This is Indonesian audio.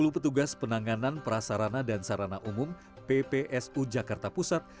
sepuluh petugas penanganan prasarana dan sarana umum ppsu jakarta pusat